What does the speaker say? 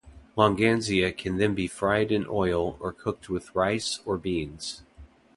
Longaniza can then be fried in oil or cooked with rice or beans.